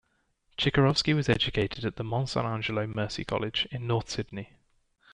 Chikarovski was educated at the Monte Sant' Angelo Mercy College, in North Sydney.